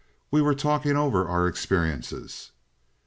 We were talking over our experiences."